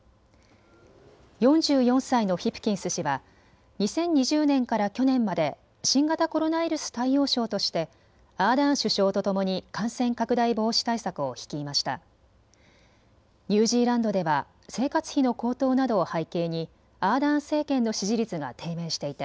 ４４歳のヒプキンス氏は２０２０年から去年まで新型コロナウイルス対応相としてアーダーン首相とともに感染拡大防止対策を率いました。